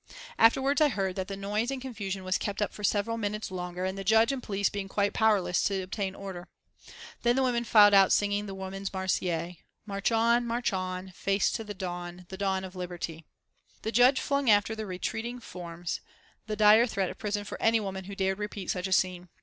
Afterwards I heard that the noise and confusion was kept up for several minutes longer, the Judge and the police being quite powerless to obtain order. Then the women filed out singing the Women's Marseillaise "March on, march on, Face to the dawn, The dawn of liberty." The Judge flung after their retreating forms the dire threat of prison for any woman who dared repeat such a scene.